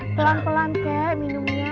pelan pelan kak minumnya